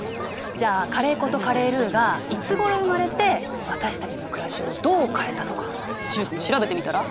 じゃあカレー粉とカレールーがいつごろ生まれて私たちの暮らしをどう変えたのか習君調べてみたら？